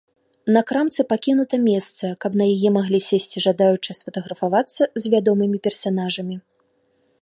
На крамцы пакінута месца, каб на яе маглі сесці жадаючыя сфатаграфавацца з вядомымі персанажамі.